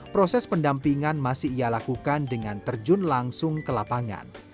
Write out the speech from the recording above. proses pendampingan masih ia lakukan dengan terjun langsung ke lapangan